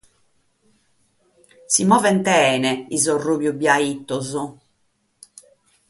Movent bene sos ruju-biaitos.